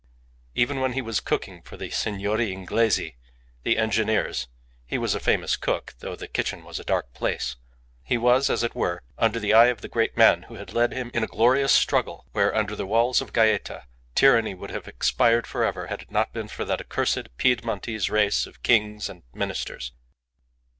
Even when he was cooking for the "Signori Inglesi" the engineers (he was a famous cook, though the kitchen was a dark place) he was, as it were, under the eye of the great man who had led him in a glorious struggle where, under the walls of Gaeta, tyranny would have expired for ever had it not been for that accursed Piedmontese race of kings and ministers.